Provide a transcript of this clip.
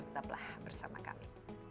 tetaplah bersama kami